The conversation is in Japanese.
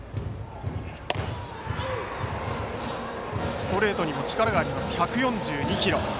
ストレートにも力があります１４２キロ。